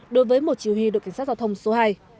đối với một chỉ huy đội cảnh sát giao thông số hai